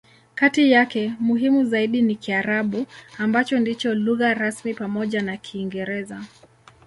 Kati yake, muhimu zaidi ni Kiarabu, ambacho ndicho lugha rasmi pamoja na Kiingereza.